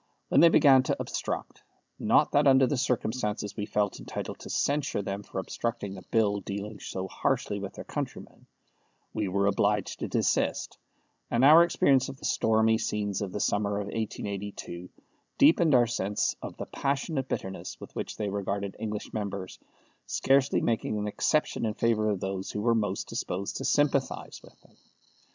When they began to obstruct not that under the circumstances we felt entitled to censure them for obstructing a Bill dealing so harshly with their countrymen we were obliged to desist, and our experience of the stormy scenes of the summer of 1882 deepened our sense of the passionate bitterness with which they regarded English members, scarcely making an exception in favour of those who were most disposed to sympathize with them.